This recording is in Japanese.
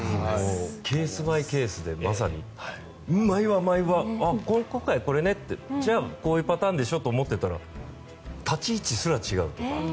ケース・バイ・ケースでまさに毎話、今回これねこういうパターンでしょって思ってたら立ち位置すら違うとか。